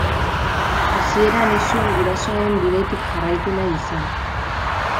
Hasieran ez zuen gurasoen bidetik jarraitu nahi izan.